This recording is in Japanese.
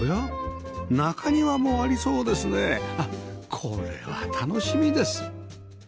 これは楽しみです